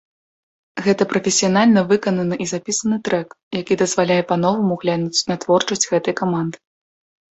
Гэта прафесіянальна выкананы і запісаны трэк, які дазваляе па-новаму глянуць на творчасць гэтай каманды.